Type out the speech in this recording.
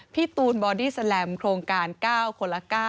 พี่ตูนบอดี้แลมโครงการ๙คนละ๙